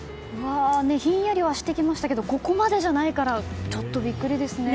ひんやりはしてきましたけどここまでじゃないからちょっとビックリですね。